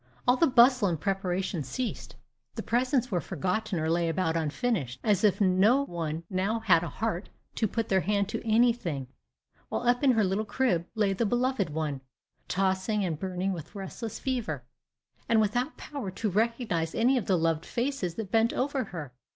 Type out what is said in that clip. All the bustle of preparation ceased the presents were forgotten or lay about unfinished, as if no one now had a heart to put their hand to any thing; while up in her little crib lay the beloved one, tossing and burning with restless fever, and without power to recognize any of the loved faces that bent over her.